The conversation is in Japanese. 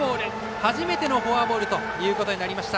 初めてのフォアボールということになりました。